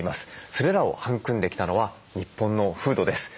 それらを育んできたのは日本の風土です。